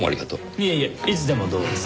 いえいえいつでもどうぞ。